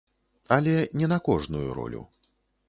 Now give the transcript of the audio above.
Але не на кожную ролю.